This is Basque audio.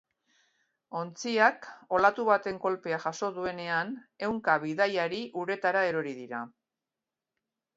Ontziak olatu baten kolpea jaso duenean ehunka bidaiari uretara erori dira.